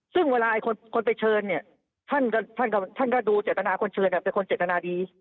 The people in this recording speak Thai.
ซึ่งเวลาคนไปเชิญเนี่ยท่านก็ดูเจตนาคนเชิญเป็นคนเจตนาดี